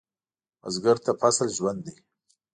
بزګر ته فصل ژوند دی